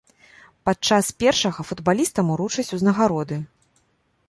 Падчас першага футбалістам уручаць узнагароды.